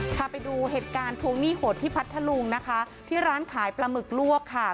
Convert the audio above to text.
พาไปดูเหตุการณ์ทวงหนี้โหดที่พัทธลุงนะคะที่ร้านขายปลาหมึกลวกค่ะ